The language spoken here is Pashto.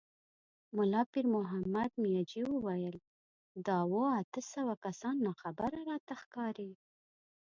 ملا پيرمحمد مياجي وويل: دا اووه، اته سوه کسان ناخبره راته ښکاري.